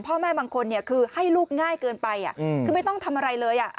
บางคนคือให้ลูกง่ายเกินไปคือไม่ต้องทำอะไรเลย